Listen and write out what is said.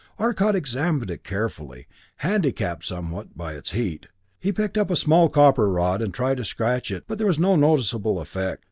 Arcot examined it carefully, handicapped somewhat by its heat. He picked up a small copper rod and tried to scratch it but there was no noticeable effect.